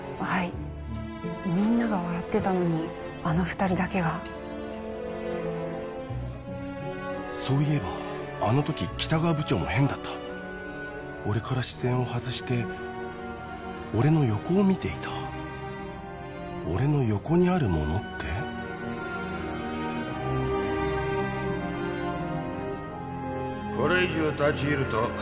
はいみんなが笑ってたのにあの２人だけがそういえばあのとき北川部長も変だった俺から視線を外して俺の横を見ていた俺の横にあるものってこれ以上立ち入ると